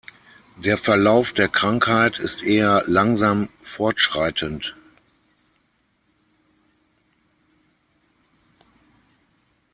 Der Verlauf der Krankheit ist eher langsam fortschreitend.